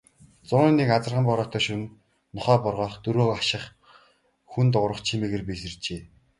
Зуны нэг азарган бороотой шөнө нохой боргоох, дөрөө харших, хүн дуугарах чимээгээр би сэржээ.